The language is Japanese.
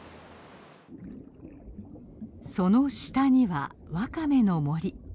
その下にはワカメの森。